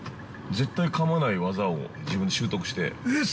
◆絶対かまないわざを自分で習得して。